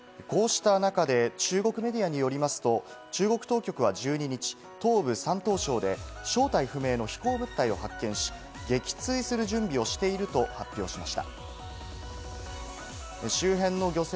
こうした中で、中国メディアによりますと、中国当局は１２日、東部・山東省で正体不明の飛行物体を発見し、撃墜する準備をしていると発表しました。